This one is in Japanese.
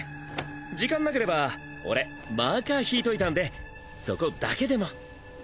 時間なければ俺マーカーひいといたんでそこだけでも！